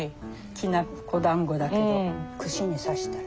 きな粉だんごだけど串に刺したら。